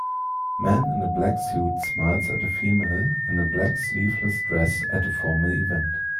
Man in a black suit smiles at a female in a black sleeveless dress at a formal event